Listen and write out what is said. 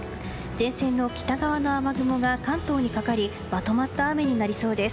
前線の北側の雨雲が関東にかかりまとまった雨になりそうです。